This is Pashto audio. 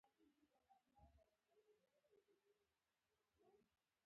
د کاونټر شاته و، کافي شاپ کې دننه پر یوه.